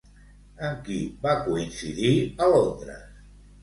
Amb qui va coincidir a Londres?